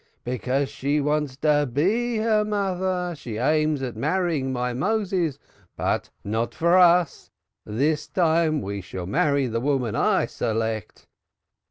Because she wants to be her mother. She aims at marrying my Moses. But not for us. This time we shall marry the woman I select.